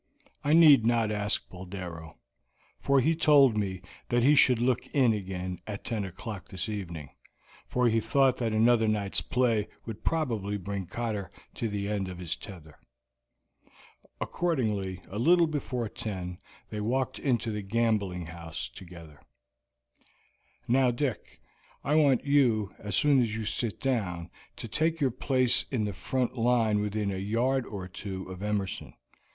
I need not ask Boldero, for he told me that he should look in again at ten o'clock this evening, for he thought that another night's play would probably bring Cotter to the end of his tether." Accordingly a little before ten they walked into the gambling house together. "Now, Dick, I want you, as soon as you sit down, to take your place in the front line within a yard or two of Emerson.